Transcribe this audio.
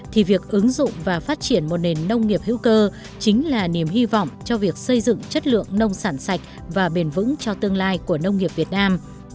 thì việc ứng dụng và phát triển một nền nông nghiệp hữu cơ chính là niềm hy vọng cho việc xây dựng chất lượng nông sản sạch và bền vững cho tương lai của nông nghiệp việt nam